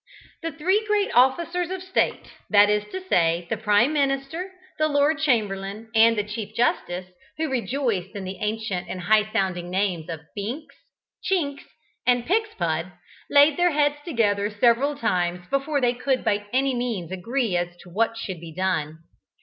The three great officers of state, that is to say, the Prime Minister, the Lord Chamberlain and the Chief Justice, who rejoiced in the ancient and highsounding names of Binks, Chinks and Pigspud, laid their heads together several times before they could by any means agree as to what should be done.